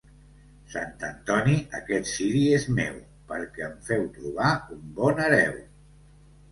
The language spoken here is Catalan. Sant Antoni, aquest ciri és meu, perquè em feu trobar un bon hereu.